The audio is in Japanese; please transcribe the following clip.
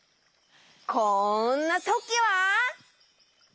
こんなときは！